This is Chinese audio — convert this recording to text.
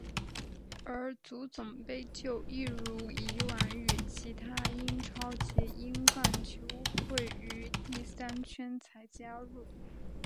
而足总杯就一如已往与其他英超及英冠球会于第三圈才加入。